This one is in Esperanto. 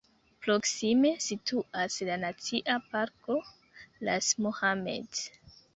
Proksime situas la nacia parko "Ras Mohammed".